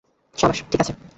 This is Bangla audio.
সাবাস -ঠিক আছে।